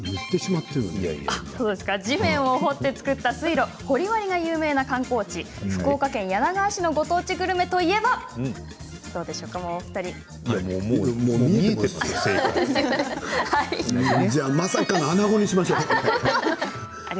地面を掘って造った水路掘割が有名な観光地福岡県柳川市のご当地グルメといえば、華大さんもう分かりましたよね？